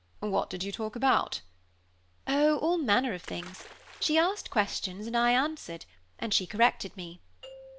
"What did you talk about?" "Oh, all manner of things. She asked questions, and I answered, and she corrected me."